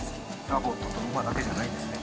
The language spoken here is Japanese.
ラボットと馬だけじゃないですね。